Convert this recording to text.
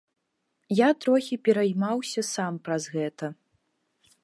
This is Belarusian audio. Я трохі пераймаўся сам праз гэта.